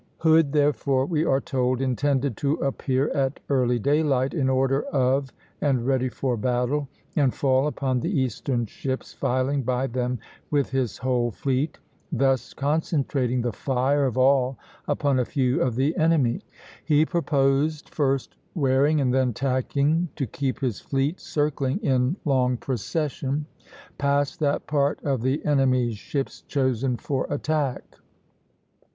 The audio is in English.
Hood, therefore, we are told, intended to appear at early daylight, in order of and ready for battle, and fall upon the eastern ships, filing by them with his whole fleet (a, a'), thus concentrating the fire of all upon a few of the enemy; then turning away, so as to escape the guns of the others, he proposed, first wearing and then tacking, to keep his fleet circling in long procession (a', a'') past that part of the enemy's ships chosen for attack.